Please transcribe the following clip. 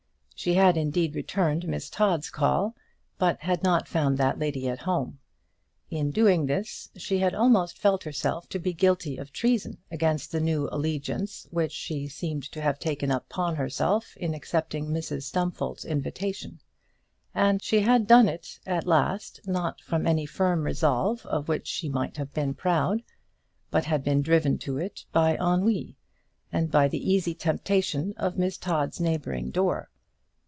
She had indeed returned Miss Todd's call, but had not found that lady at home. In doing this she had almost felt herself to be guilty of treason against the new allegiance which she seemed to have taken upon herself in accepting Mrs Stumfold's invitation; and she had done it at last not from any firm resolve of which she might have been proud, but had been driven to it by ennui, and by the easy temptation of Miss Todd's neighbouring door.